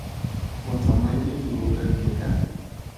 O tsamaile diura di le kae?